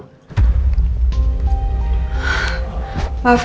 sampai dua kali